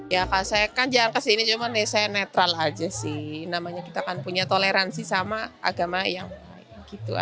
ya saya kan jalan ke sini cuma saya netral aja sih namanya kita kan punya toleransi sama agama yang baik